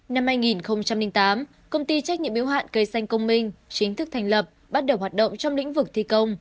năm hai nghìn tám công ty trách nhiệm yếu hạn cây xanh công minh chính thức thành lập bắt đầu hoạt động trong lĩnh vực thi công